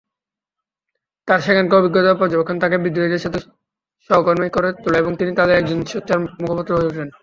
তার সেখানকার অভিজ্ঞতা ও পর্যবেক্ষণ তাকে বিদ্রোহীদের সাথে সহকর্মী করে তোলে এবং তিনি তাদের একজন সোচ্চার মুখপত্র হয়ে ওঠেন।